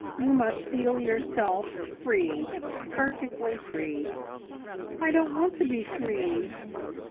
You must feel yourself free, perfectly free." "I don't want to be free!